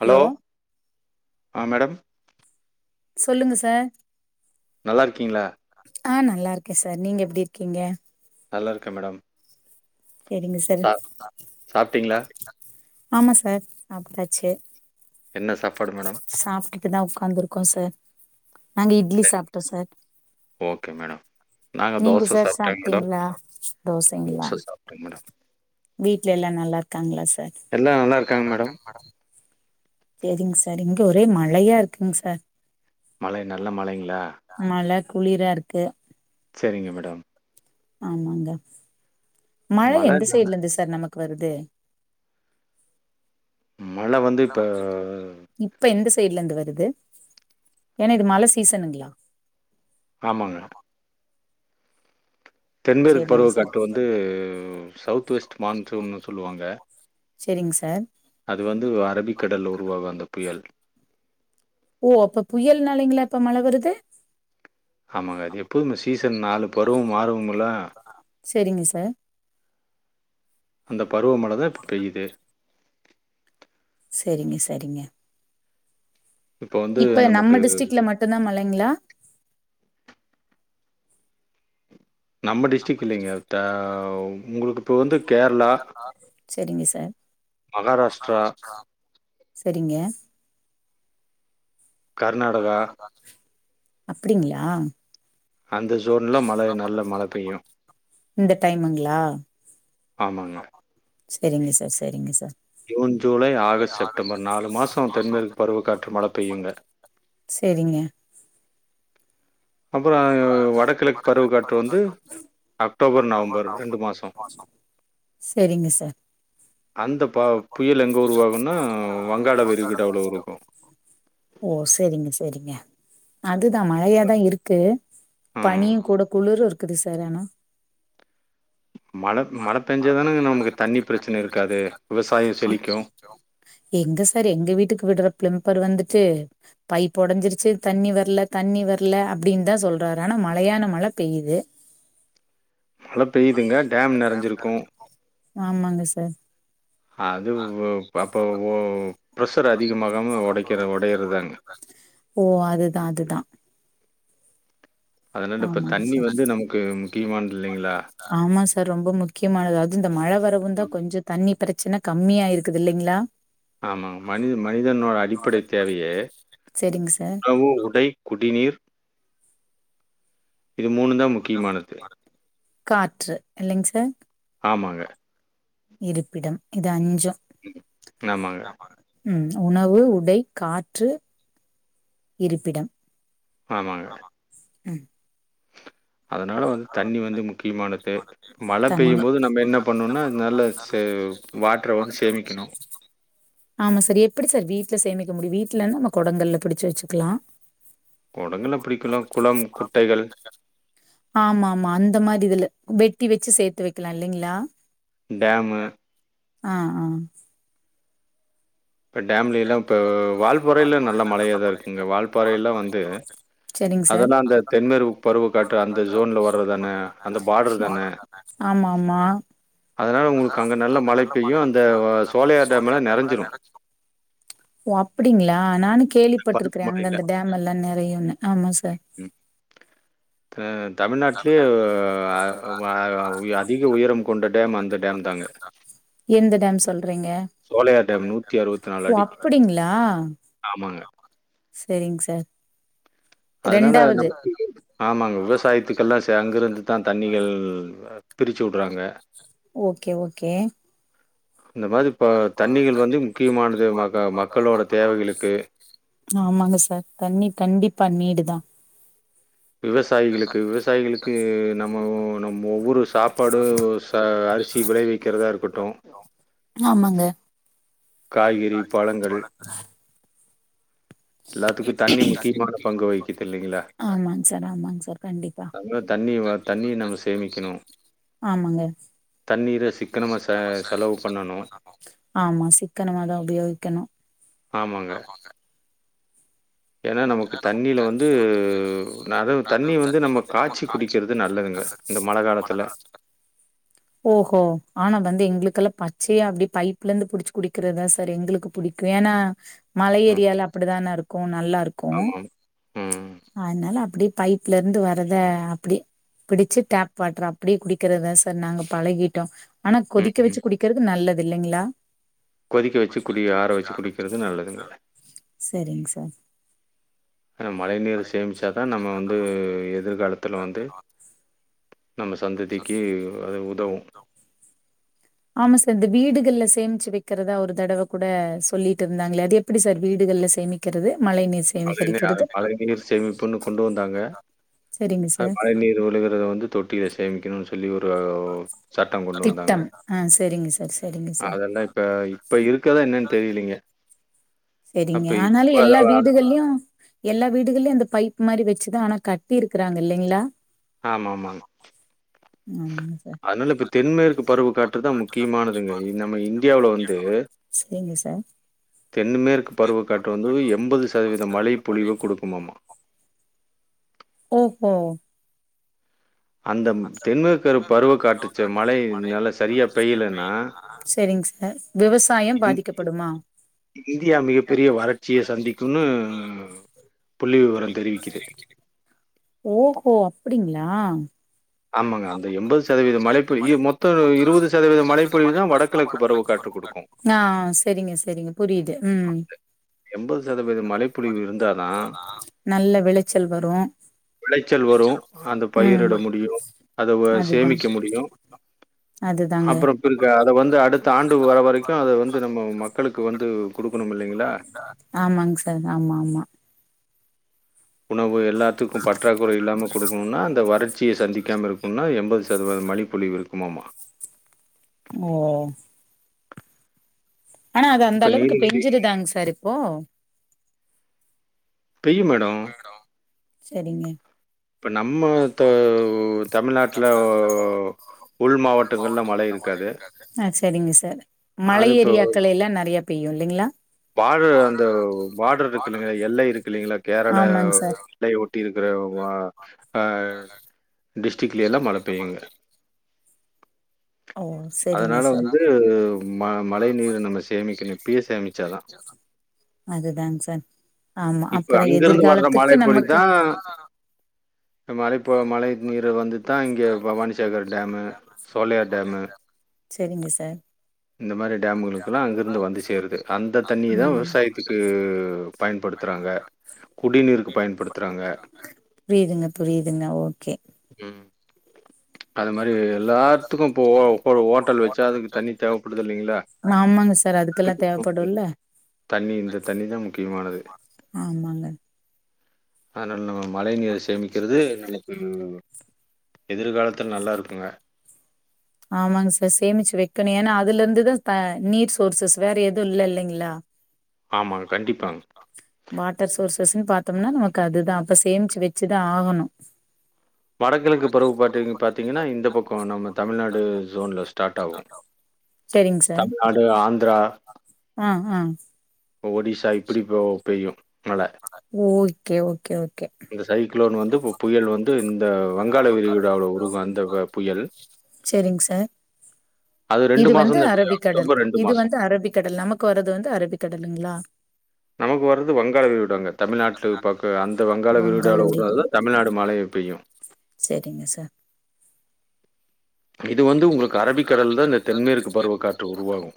Hello ஆ madam சொல்லுங்க sir நல்லாருக்கீங்ளா? ஆ நல்லாருக்கே சார் நீங்க எப்டி இருக்கீங்க? நல்லாருக்க மேடம் செரிங்க சார் சா சாப்ட்டீங்களா? ஆமா சார் சாப்டாச்சு என்ன சாப் சாப்டுட்டுதா உக்காந்துருக்கோ சார் நாங்க இட்லி சரி. சாப்டோ சார் ஓகே மேடம் நாங்க நீங்க தோச சார் சாப்ட்டேங்க மேடம். சாப்ட்டீங்களா? தோசைங்ளா தோச சாப்ட்டேங்க மேடம். வீட்ல எல்லா நல்லாருக்காங்ளா சார் எல்லா நல்லா இருக்காங்க மேடம். சேரிங் சார் இங்க ஒரே மழயா இருக்குங் சார் மழை நல்ல மழைங்ளா மழ குளிரா இருக்கு செரிங்க மேடம் ஆமாங்க மழ எந்த சைடுல இருந்து சார் நமக்கு வருது மழ வந்து இப்ப இப்ப எந்த சைடுல இருந்து வருது ஏனா இது மழ சீசனுங்களா ஆமாங்க தென்மேற்கு செரிங்க பருவக்காற்று வந்து சவுத் வெஸ்டு மான்சுன்னு சொல்லுவாங்க சேரிங்க சார் அது வந்து அரபிக்கடல்ல உருவாகு அந்த புயல் ஓ அப்ப புயல்னாலைங்களா இப்ப மழ வருது ஆமாங்க அது எப்போதுமே சீசன் நாலு பருவோ மாறுமில்ல செரிங்க சார் அந்த பருவமழ தா இப்ப பெய்யிது செரிங்க செரிங்க வந்து இப்ப நமக்கு நம்ம டிஸ்ட்ரிக்ல மட்டுதா மழைங்களா நம்ம டிஸ்ட்ரிக் இல்லிங்க த உங்களுக்கு இப்ப வந்து கேரளா செரிங்க சார் மகாராஷ்டிரா, செரிங்க கர்நாடகா அப்டிங்களா அந்த ஜோன்லா மழ நல்ல மழ பெய்யு இந்த டைமுங்களா ஆமாங்க செரிங்க சார் சரிங்க sir June July August September நாலு மாசோ தென்மேற்கு பருவ காற்று மழ பெய்யுங்க சேரிங்க அப்பறோ வடகிழக்கு பருவ காற்று வந்து அக்டோபர் நவம்பர் ரெண்டு மாசோ செரிங்க சார் அந்த பா புயல் எங்க உருவாகுன்னா வங்காள விரிகுடா வுல உருகு ஓ சேரிங்க சேரிங்க அதுதா மழையாதா இருக்கு ம். பனியு கூட குளிரு இருக்குது சார் ஆனா மழ மழ பெஞ்சா தான நமக்கு தண்ணி பிரெச்சன இருக்காது விவசாயோ செழிக்கு க்கு எங்க சார் எங்க வீட்டுக்கு விடுற பிளம்பர் வந்துட்டு பைப் ஒடஞ்சிருச்சு தண்ணி வர்ல தண்ணி வர்ல அப்டின்னு தா சொல் [unintelligible] மழையான மழை பெய்யுது மழ பெய்யுதுங்க டேம் நிறஞ்சிருக்கு ஆமாங்க சார் அது வோ அப்போ ஓ ப்ரெஷர் அதிகமாகாம ஒடைக்கிற ஒடையறதாங்க ஓ அதுதா அதுதா அதனால இப்ப ஆமாங்க தண்ணி சார் வந்து நமக்கு முக்கியமானது இல்லைங்களா ஆமா சார் ரொம்ப முக்கியமானது அது இந்த மழை வரவு தா கொஞ்சோ தண்ணி பிரெச்சன கம்மியா இருக்குது இல்லைங்களா ஆமாங்க மனித மனிதனோட அடிப்படை தேவையே சரிங்க சார். உணவு உடை குடிநீர் இது மூணு தா காற்று இல்லைங்க சார் ஆமாங்க இருப்பிடம் இது அஞ்சு ஆமாங்க, ம் உணவு உடை காற்று இருப்பிடம் ஆமாங்க ம். அதனால வந்து தண்ணி வந்து முக்கியமானது மழ தண்ணி. பெய்யும் மழை. போது நம்ம என்ன பண்ணும்னா நல்ல சே வாட்டரை வந்து சேமிக்கணு ஆமா சார் எப்படி சார் வீட்ல சேமிக்க முடியு வீட்லனா நம்ம குடங்கல பிடிச்ச வச்சுக்கலா கொடங்கள பிடிக்கலா குளம் குட்டைகள் ஆமா ஆமா அந்த மாரி இதுல வெட்டி வச்சு சேர்த்து வைக்கலா இல்லைங்களா டேமு ஆ ஆ இப்போ டேம்ல எல்லா இப்போ வால்பறையில நல்ல மழையதா இருக்குங்க வால்பறையெல்லா வந்து சரிங்க சார். அதெல்லா அந்த தென்மேற்க்கு பருவ காற்று அந்த ஜோன்ல வர்றதானே அந்த பார்டர் தானே ஆமா ஆமா அதனா உங்களுக்கு அங்கே நல்ல மழை பெய்யு அந்த அ சோலையார் டேம்லெல்லா நிறஞ்சிடு ஓ அப்படிங்களா நானு பருவ கேள்விப்பட்டுருக்கறே அங்க மழையில. அந்த டேம் எல்லா நிறையன்னு ஆமா சார் ம் த தமிழ்நாட்லயே அ அ அதிக உயரம் கொண்ட டேம் அந்த டேம் தாங்க எந்த டேம் சொல்றீங்க சோலையார் டேம் நூத்தி அறுபத்தி நாலு ஓ அடி ஆமாங்க சேரிங்க சார் அதனால ரெண்டாவது நமக்கு ஆமாங்க விவசாயத்துக்கெல்லா ச அங்கிருந்துதா தண்ணிகள் பிரிச்சு விடுறாங்க ஓகே இந்த மாரி அது மாரி இப்ப தண்ணிக்கு மக்களோட தேவைகளுக்கு [unintelligible] ஆமாங்க சார் தண்ணி கண்டிப்பா நீடு தா விவசாயிகளுக்கு விவசாயிகளுக்கு நம்ப நம்ப ஊரு சாப்பாடு ச அரிசி விளைவிக்றதா இருக்கட்டு ஆமாங்க காய்கறி பழங்கள் எல்லாத்க்கு தண்ணி முக்கியமான பங்கு வகிக்குது இல்லிங்களா ஆமாங் சார் ஆமாங் சார் கண்டிப்பா தண்ணி தண்ணிய நம்ம சேமிக்கணும் ஆமாங்க தண்ணீரை சிக்கனமா செ செலவு பண்ணணும் ஆமா சிக்கனமா தா உபயோக்கணு ஆமாங்க ஏனா நமக்கு தண்ணில வந்து நது தண்ணி வந்து நம்ப காச்சி குடிக்றது நல்லதுங்க இந்த மழ காலத்துல ஓ ஓ ஆனா வந்து எங்ளுக்கெல்லா பச்சையா அப்டியே பைப்ல இருந்து புடிச்சு குடிக்றதா சார் எங்ளுக் புடிக்கு ஏனா மல ம் ஏரியால அப்டித்தானா இருக்கு நல்லா இருக்கு ஆமாம் ம் அதனால அப்டியே பைப்ல இருந்து வர்த அப்டியே பிடிச்சி டேப் வாட்டரே அப்டியே குடிக்றதா சார் நாங்க பழகிட்டோ ஆனா ம் கொதிக்க வச்சு குடிக்கறது நல்லது இல்லைங்களா கொதிக்க வச்சி குடி ஆர வச்சி குடிக்றது நல்லதுங்க சேரிங் சார் ஆன மழை நீர்சேமிச்சாதா நம்ம வந்து எதுர்காலத்துல வந்து நம்ம சந்ததிக்கு அது உதவு ஆமா சார் இந் வீடுகல்ல சேமிச்சு வெக்றதா ஒரு தடவ கூட சொல்லிட்டு இருந்தாங்களே அது எப் எப்டி சார் வீடுகள்ல சேமிக்கிறது மழை நீர் அத இன்னு யார் சேமிகரிக்கிறது மழை நீர் சேமிப்புன்னு கொண்டு வந்தாங்க சரிங்க சார் மழை நீர் விழுக அத வந்து தொட்டில சேமிக்கணு சொல்லி ஒரு சட்டம் திட்டம் ஆ செரிங்க சார் செர் அதெல்லா இப்ப இப்ப இருக்கதா என்னன் தெரியலீங்க செரிங்க அப்ப ஆனாலு இப்ப அத எல்லா வீடுகள்லயு எல்லா வீடுகள்லயு அந்த பைப் மாரி வச்சுதா ஆனா கட்டிருக்குறாங்க இல்லிங்ளா ஆமாமாங்க ஆமாங்க சார் அதனால இப்ப தென்மேற்கு பருவ காற்றுதா முக்கியமானதுங்க நம்ம இந்தியாவுல வந்து செரிங்க சார் தென்மேற்கு பருவக்கற்று வந்து எம்பது சதவீத மழை பொழிவ குடுக்குமாமா ஓஹோ அந்த தென்மேற்கு பருவக்காற்று ச மழை நல்லா சரியா பெய்யலன்னா, செரிங்க சார் விவசாயம் இந் பாதிக்கப்படுமா இந்தியா மிகப்பெரிய வறட்சிய சந்திக்குன்னு புள்ளி விவர தெரிவிக்குது ஓஹோ அப்டிங்ளா ஆமாங்க. அந்த ஆமா அம்பது சதவீத மழைப்பொழிவு மழை பொழிஞ்சா மொத்தம் மொத்த நூறுசதவீத மழைப்பொழிவு மழை தான் பொழிஞ்சா வடகிழக்கு குடுக்கும். பருவக்காற்று ஆ செரிங்க செரிங்க புரியுது ம் மழைப்பொழிவு இருந்தா தான் நல்ல விளச்சல் வரு விளைச்சல் வரு அந்த ம் பயிரிட முடியு அத அதுதா சேமிக்க முடியு அதுதாங்க அப்பற பிர்க அத வந்து அடுத்த ஆண்டு வர வரைக்கு அத வந்து நம்ப மக்களுக்கு வந்து குடுக்கணு இல்லைங்ளா ஆமாங் சார் ஆமா ஆமா உணவு எல்லாத்துக்கு பற்றாக்கொற இல்லாம குடுக்கணுனா அந்த வறட்சிய சந்திக்காம இருக்கனுன்னா அந்த எண்பது சதவீத மலி பொழிவு இருக்மாமா ஓ ஆனா அது அந்த இப்ப அளவுக்கு நீலகிரி பெஞ்சுிருதாங்க சார் இப்போ பெய்யும் மேடம். செரிங்க இப்போ நம்ம இப்ப தமிழ்நாட்ல உள் மாவட்டங்கள்ல மழ இருக்காது ஆ செரிங்க சார் மலை அது இப்போ ஏரியாக்கள்லலா நெறய பெய்யு இல்லைங்ளா பாடர் அந்த பார்டர் இருக்கு இல்லைங்ளா எல்லை இருக்கு இல்லைங்ளா கேரள ஆமாங்க சார் மலைய ஒட்டிருக்குற அ டிஸ்ட்ரிக்லைலா மழ பெய்யுங்க ஓ செரிங்க அதனால சார் வந்து அதனால ம மழை நீர நம்ம சேமிக்கணு இப்பயே நம்ம சேமிச்சாதா அதுதாங்க சார் ஆமா இப்ப அப்பதா அங்கருந்து வர்ற எதிர்காலத்துக்கு நமக்கு நம்ம மலைப்ப மழை நீர வந்துதா இங்க பவானிசேகர் டேமு சோலையார் டேமு செரிங்க சார் இந்த மாதிரி டேம்களுக்குல்லா அங்கிருந்து வந்து சேருது அந்த தண்ணிதா ம் விவசாயத்துக்கு பயன்ப த்துறாங்க குடிநீருக்கு பயன்படுத்துறாங்க புரியுதுங்க புரியுதுங்க ஓகே ம் அத மாரி எல்லாத்துக்கு இப்போ ஹோட்டல் வச்சா அதுக்கு தண்ணி தேவைப்படுது இல்லைங்களா ஆமாங்க சார் அதுக்கெல்லா ஓகே தேவப்படுல்ல தண்ணி இந்த தண்ணிதா முக்கியமானது ஆமாங் அதனால நம்ம மழை நீர சேமிக்கிறது நமக்கு எதிர்காலத்தில நல்லாருக்குங்க ஆமாங்க சார் சேமிச்சு வைக்கணு ஏன்னா அதுல இருந்துதா நீர் சோர்சஸ் வேற எதுவுல்ல இல்லைங்ளா ஆமாங்க கண்டிப்பாங்க வாட்டர் சோர்சஸ்ன்னு பாத்தோனா நமக்கு அதுதா அப்ப சேமிச்சு வச்சுதா ஆகணு வடகிழக்கு பருவக்காற்று இங்க பாத்தீங்கனா இந்த பக்க நம்ம தமிழ்நாடு ஜோன்ல ஸ்டார்ட் ஆகு சரிங்க தமிழ்நாடு ஆந்ரா அ அ இப்ப ஒடிசா இப்படி பெய்யு மழ ஓகே ஓகே ஓ இந்த சைக்ளோன் வந்து இப்ப புயல் வந்து இந்த வங்காள விரிகுடால உருகு அந்த புயல் சரிங்க சார் அது ரெண்டு இது வந்து மாசந்தா பெய்யு அரபிக்கடல் அக்டோபர் ரெண்டு இது மாசோ வந்து அரபிக்கடல் நமக் கு வரது வந்து அரபிக் கடலுங்களா நமக்கு வரது வங்காள விரிகுடாங்க தமிழ்நாட்டு பக்க அந்த வங்காள விரிகுடால உட்றது தமிழ்நாடு மழைய பெய்யு செரிங்க சார் இது வந்து உங்களுக்கு அரபிக்கடல் தா இந்த தென்மேற்கு பருவக் காற்று உருவாகு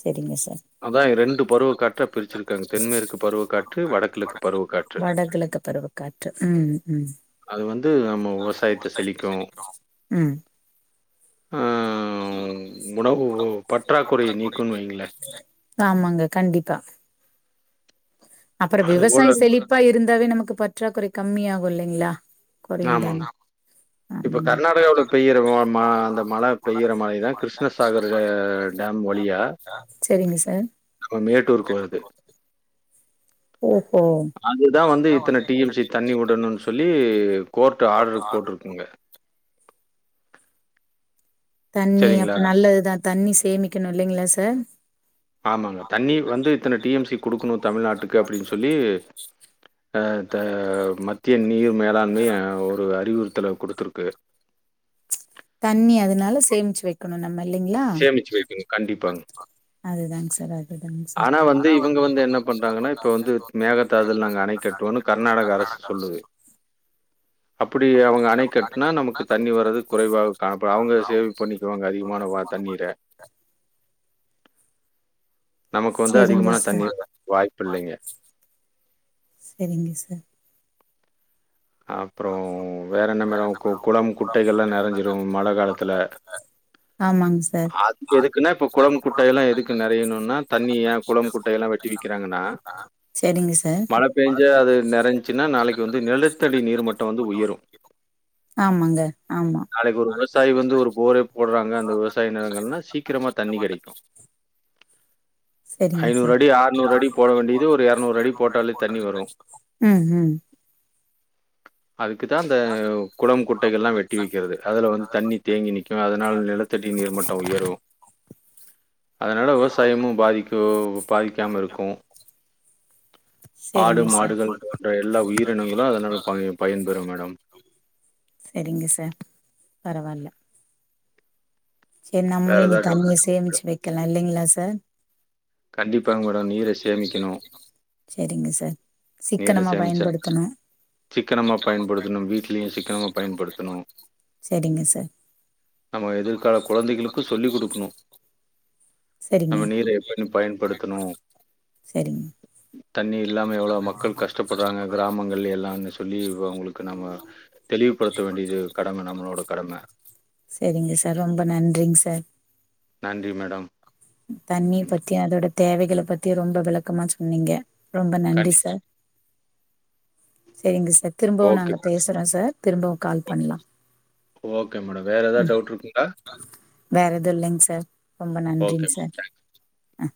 செரிங்க சார் அதா ரெண்டு பருவக் காற்றா பிரிச்சிருக்காங்க தென்மேற்கு பருவக் காற்று வடக்கிழக்கு பருவக் காற்று வடகிழக்கு பருவக் காற்று ம் ம் அது வந்து நம்ம விவசாயத்த செழிக்கும். ம் ஆ உணவு பற்றாக்குறையை நீக்குன்னு வைங்களே ஆமாங்க கண்டிப்பா அப்புற அதுபோல விவசாய செழிப்பா இருந்தாவே நமக்கு பற்றாக் குறை கம்மி ஆகு இல்லைங்களா ஆமாங்க. குறையுந்தானே இப்ப கர்நாடகாவில பெய்யிற ம அந்த மழை பெய்யிற மழைதா கிருஷ்ணசாகரு செரிங்க சார் நம்ம மேட்டூருக்கு வருது ஓஹோ அதுதா வந்து இத்தன டி எம் சி தண்ணி விடணுன்னு சொல்லி கோர்ட் ஆர்டரு போட்ருக்குங்க தண்ணி சரிங்களா? அப்ப நல்லதுதா தண்ணி சேமிக்கணு இல்லைங்களா சார் ஆமாங்க தண்ணி வந்து இத்தன டி எம் சி குடுக்கணு தமிழ்நாட்டுக்கு அப்டின்னு சொல்லி அ த மத்திய நீர் மேலாண்மை ஒரு அறிவுறுத்தல குடுத்துருக்கு தண்ணி அதனால சேமிச்சு வைக்கணு நம்ம இல்லைங்களா சேமிச்சு வைக்கணும். கண்டிப்பாங்க. அதுதாங்க சார் அ ஆனா இவங்க வந்து இவுங்க வந்து என்ன பண்றாங்கன்னா, இப்ப பண்றாங்க வந்து நெட்ஒர்க் மேகதாதுல நாங்க அணை கட்டுவோம்னு [unintelligible] கர்நாடக அரசு கர்நாடகா சொல்லுது அப்படி அவங்க அணைக்கட்டுனா நமக்கு தண்ணி வர்றது குறைவாக காணப்படு அவுங்க சேவ் பண்ணிக்குவாங்க அதிகமான வார் தண்ணீர நமக்கு வந்து செரிங்க அதிகமான தண்ணீர் சார் வர வாய்ப்பு இல்லைங்க செரிங்க சார் ஆ அப்புறோ வேற என்ன மேடம் கு குளம் குட்டைகள்லா நிறஞ்சிரும் மழை காலத்தில ஆமாங் சார் அதுக்கு எதுக்குன்னா இப்ப குளம் குட்டை எல்லா எதுக்கு நெறையணுனா தண்ணி ஏ குளம் குட்டைய எல்லா வெட்டி விக்கிறாங்கன்னா சரிங்க சார் பெஞ்ச அது நெரஞச்சுன்னா நாளைக்கு வந்து நெலு நிலத்தடி நீர் மட்டோ வந்து உயரு ஆமாங்க ஆமா நாளைக்கி ஒரு வருஷத் விவசாயி வந்து ஒரு போர போடுறாங்க அந்த விவசாய நிலங்கள்னா சீக்கிரமா தண்ணி கிடைக்கு செரிங்க சார் அடி, அடி போட வேண்டியது ஒரு அடி போட்டாலே தண்ணி வரும். ம் ம் அதுக்கு தா அந்த குளம் குட்டைகள்லா வெட்டி வெக்கிறது அதுல வந்து தண்ணி தேங்கி நிக்கு அதனால் நிலத்தடி நீர் மட் ட உயரு அதுனால விவசாயமு பாதிக்கு பாதிக்காம இருக்கு ஆடு செரிங்க சார் மாடுகள் போன்ற எல்லா உயிரினங்களு அதுனால ப பயன்பெறும் மேடம் செரிங்க சார் பரவால்ல சரி வேற நம்மளு இனி ஏதாவது டவுட் தனியா சேமிச்சு வெக்கலா இல்லீங்களா சார் கண்டிப்பாங் மேடம் நீரை சேமிக்கணு செரிங்க சார் நீர சிக்கனமா சேமிச்சா பயன்படுத்தணு சிக்கனமா பயன்படுத்தணும் வீட்லயு சிக்கனமா பயன்படுத்தனு செரிங்க சார் நம்ம எதிர்கால குழந்தைகளுக்கு சொல்லிக் குடுக்கணு சேரிங்க நம்ம நீரை எப்பனு பயன்படுத்தணு செரிங் தண்ணி இல்லாம எவ்ளோ ம க்கள் கஷ்டப்படுறாங்க கிராமங்களில் எல்லானு சொல்லி இ அவங்களுக்கு நம்ம தெளிவுபடுத்த வேண்டியது கடம நம்மளோட கடம செரிங்க சார் ரொம்ப நன்றிங்க சார் நன்றி மேடம் தண்ணி பத்தி அதோட தேவைகளைப் பத்தி ரொம்ப விளக்கமா சொன்னீங்க ரொம்ப நன்றி கண்டிப்பா. சார் செரிங்க சார் திரும்பவு ஓகே நாங்க மேடம். பேசுற சார் திரும்பவு கால் பண்ணலா ஓகே மேடம் வேற ஏதது டவுட் இருக்குங்களா வேற எது இல்லைங்க சார் ரொம்ப ஓகே. நன்றிங்க சார் அ